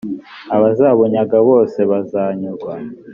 abazabunyaga bose bazanyurwa